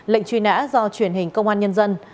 lệnh truy nã do truyền hình công an nhân dân